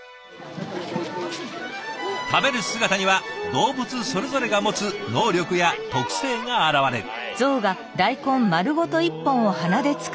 食べる姿には動物それぞれが持つ能力や特性が表れる。